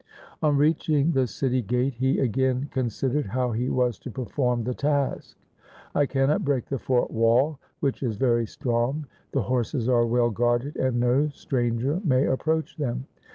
On reaching the city gate he again considered how he was to perform the task. ' I cannot break the fort wall which is very strong. The horses are well guarded and no stranger may approach them.